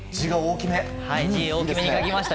字を大きめに書きました。